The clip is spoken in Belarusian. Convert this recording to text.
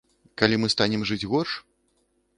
Калі мы станем жыць горш?